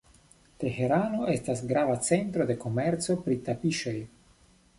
Teherano estas grava centro de komerco pri tapiŝoj.